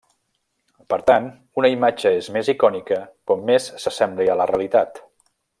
Per tant, una imatge és més icònica com més s'assembli a la realitat.